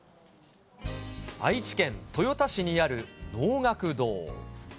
愛知県豊田市にある能楽堂。